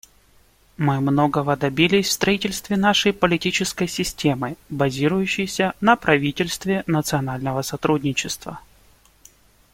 Мы многого добились в строительстве нашей политической системы, базирующейся на правительстве национального сотрудничества.